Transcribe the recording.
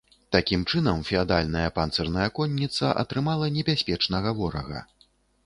Такім чынам, феадальная панцырная конніца атрымала небяспечнага ворага.